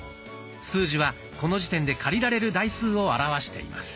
数字はこの時点で借りられる台数を表しています。